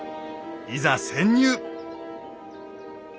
いざ潜入！